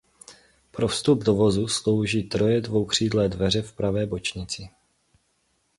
Pro vstup do vozu slouží troje dvoukřídlé dveře v pravé bočnici.